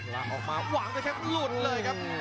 ล้างออกมาหวังได้แค่หลุดเลยครับ